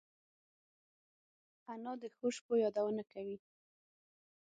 انا د ښو شپو یادونه کوي